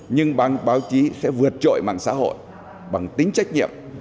nhưng bằng báo chí sẽ vượt trội mạng xã hội bằng tính trách nhiệm